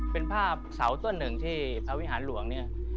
เป็นภาพเสาต้นหนึ่งที่พระวิหารหลวงเนี่ย